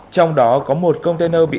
trong đó có một container bị